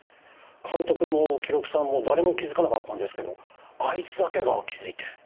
監督も記録さんも誰も気づかなかったんですけどあいつだけが気づいて。